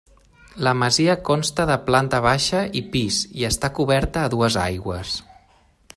La masia consta de planta baixa i pis i està coberta a dues aigües.